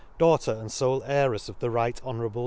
Daugh u ter and fole Heirefs of the Right Honble